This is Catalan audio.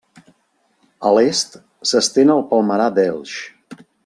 A l'est, s'estén el palmerar d'Elx.